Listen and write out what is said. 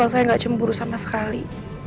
kalau saya gak cemburu sama sekali